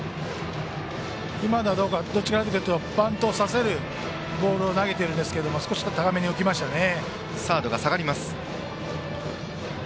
今のはどちらかというとバントをさせるボールを投げているんですが少し高めに浮きましたね。